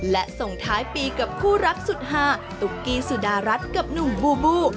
และส่งท้ายปีกับคู่รักสุดฮาตุ๊กกี้สุดารัฐกับหนุ่มบูบู